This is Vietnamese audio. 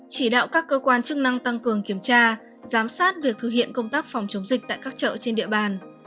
chỉ đạo các cơ quan chức năng tăng cường kiểm tra giám sát việc thực hiện công tác phòng chống dịch tại các chợ trên địa bàn